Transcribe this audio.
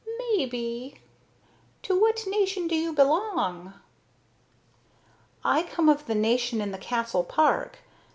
"Maybe. To what nation do you belong?" "I come of the nation in the castle park.